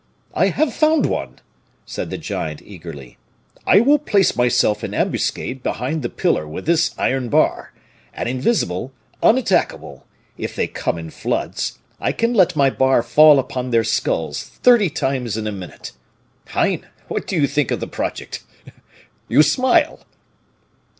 "I have found one," said the giant, eagerly; "I will place myself in ambuscade behind the pillar with this iron bar, and invisible, unattackable, if they come in floods, I can let my bar fall upon their skulls, thirty times in a minute. Hein! what do you think of the project? You smile!"